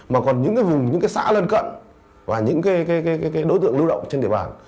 mà còn những vùng xã lên cận và những đối tượng lưu động trên địa bàn